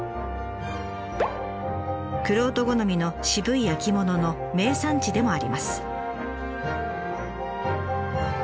玄人好みの渋い焼き物の名産地でもあります。